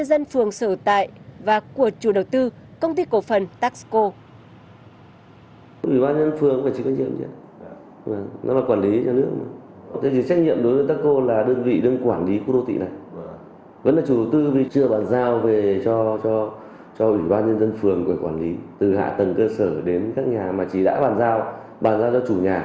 đó là trách nhiệm của ủy ban nhân dân phường sở tại và của chủ đầu tư công ty cổ phần taxco